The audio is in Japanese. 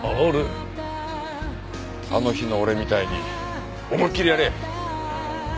あの日の俺みたいに思いっきりやれ！